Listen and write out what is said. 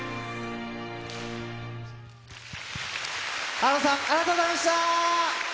ＡＡＲＯＮさん、ありがとうございました。